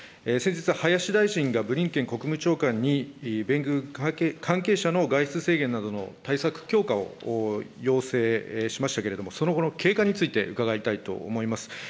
先日、林大臣がブリンケン国務長官に、米軍関係者の外出制限などの対策強化を要請しましたけれども、その後の経過について伺いたいと思います。